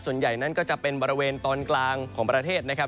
ส่วนใหญ่นั้นก็จะเป็นบริเวณตอนกลางของประเทศนะครับ